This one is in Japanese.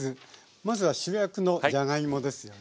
まずは主役のじゃがいもですよね。